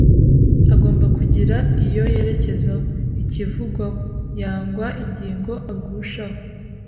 agoma kugira iyo yerekezaho “ikivugwaho” yangwa ingingo agushaho